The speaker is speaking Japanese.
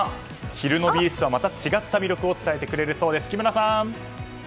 昼のビーチとはまた違った魅力を伝えてくれるそうです。